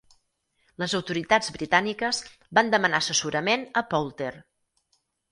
Les autoritats britàniques van demanar assessorament a Poulter.